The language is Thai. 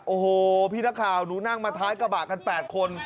โอ้โหพี่นักข่าวหนูนั่งมาท้ายกระบะกัน๘คน